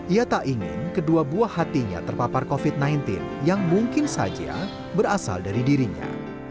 ia tak ingin kedua buah hatinya terpapar covid sembilan belas yang mungkin saja berasal dari dirinya